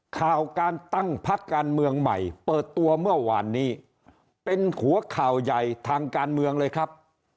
ข่าวการตั้งพักการเมืองใหม่เปิดตัวเมื่อวานนี้เป็นหัวข่าวใหญ่ทางการเมืองเลยครับ